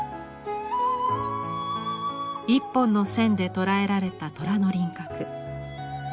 一本の線で捉えられた虎の輪郭。